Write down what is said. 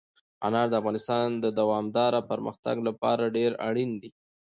انار د افغانستان د دوامداره پرمختګ لپاره ډېر اړین دي.